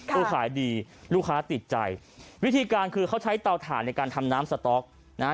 คือขายดีลูกค้าติดใจวิธีการคือเขาใช้เตาถ่านในการทำน้ำสต๊อกนะฮะ